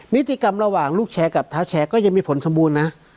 นิติกรรมระหว่างลูกแชร์กับเท้าแชร์ก็ยังมีผลสมบูรณ์นะ